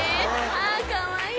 あかわいい。